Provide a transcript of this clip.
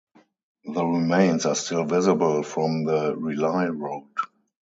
The remains are still visible from the Rely road.